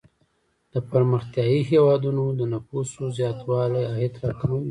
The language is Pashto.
د پرمختیايي هیوادونو د نفوسو زیاتوالی عاید را کموي.